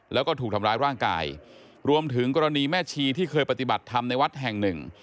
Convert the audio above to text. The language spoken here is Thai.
แล้วก็ถูกทำร้ายร่างกายรวมถึงกรณีแม่ชีที่เคยปฏิบัติธรรมในวัดแห่งหนึ่ง